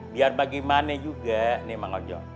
biar bagaimana juga mak ngonjong